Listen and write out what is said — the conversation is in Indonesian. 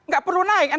gak perlu naik